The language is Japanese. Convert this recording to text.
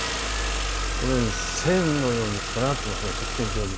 このように線に連なっていますね、直線上に。